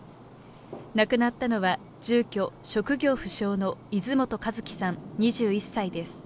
亡くなったのは住居職業不詳の泉本和希さん２１歳です。